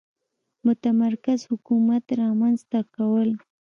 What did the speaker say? متمرکز حکومت رامنځته کول.